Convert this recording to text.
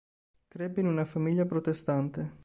Crebbe in una famiglia protestante.